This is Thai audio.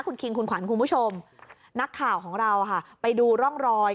คุณคิงคุณขวัญคุณผู้ชมนักข่าวของเราค่ะไปดูร่องรอย